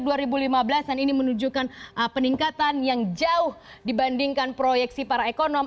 dan ini menunjukkan peningkatan yang jauh dibandingkan proyeksi para ekonom